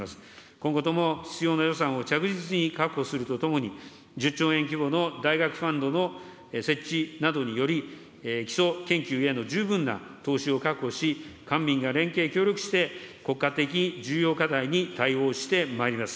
今後とも必要な予算を着実に確保するとともに、１０兆円規模の大学ファンドの設置などにより、基礎研究への十分な投資を確保し、官民が連携、協力して国家的重要課題に対応してまいります。